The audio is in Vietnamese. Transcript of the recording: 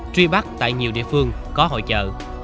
truy bắt tại nhiều địa phương có hội trợ